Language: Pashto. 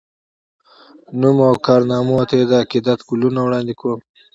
نوم او کارنامو ته یې د عقیدت ګلونه وړاندي کوم